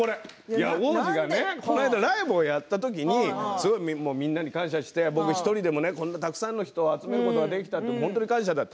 王子がね、この間ライブをやった時にすごいみんなに感謝して僕１人でもこんなにたくさんの人を集めることができて本当に感謝だと。